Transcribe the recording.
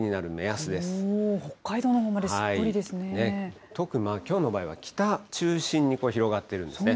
北海道のほうまですっぽりで特にきょうの場合は北中心に、これ、広がっているんですね。